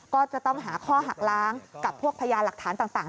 ก็จะต้องหาข้อหักล้างกับพวกพยานหลักฐานต่าง